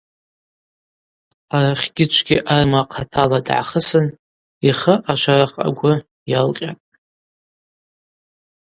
Арахьгьычӏвгьи арма хъатала дгӏахысын йхы ашварах агвы йалкъьатӏ.